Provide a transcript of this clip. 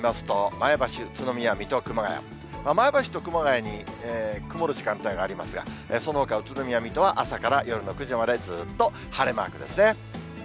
前橋と熊谷に曇る時間帯がありますが、そのほか宇都宮、水戸は朝から夜の９時まで、ずっと晴れマークですね。